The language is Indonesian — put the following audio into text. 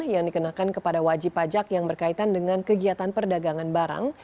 yang dikenakan kepada wajib pajak yang berkaitan dengan kegiatan perdagangan barang